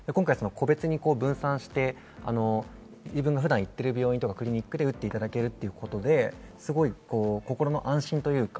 個別に分散して自分が普段行っている病院、クリニックで打っていただけるということで心の安心。